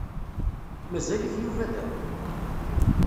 Mazal-it Yuba da?